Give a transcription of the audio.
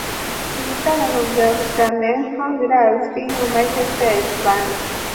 Ibitaramo bya Flamenco birazwi mu majyepfo ya Espanye.